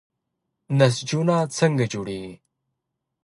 نسجونه څنګه جوړیږي؟